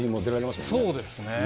そうですね。